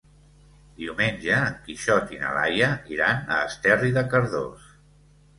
Diumenge en Quixot i na Laia iran a Esterri de Cardós.